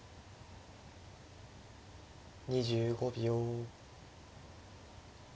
２５秒。